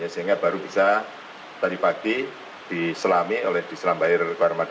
sehingga baru bisa tadi pagi diselami oleh diselam air pharmadi